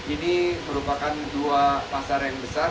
ini merupakan dua pasar yang besar